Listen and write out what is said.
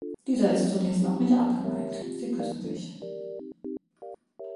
Dieser ist zunächst auch nicht abgeneigt, sie küssen sich.